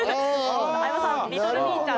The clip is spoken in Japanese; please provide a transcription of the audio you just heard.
相葉さんリトルミイちゃん。